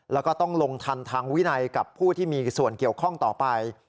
แล้วก็ต้องลงทันทางวินัยกับผู้ที่มีส่วนเกี่ยวข้องต่อไป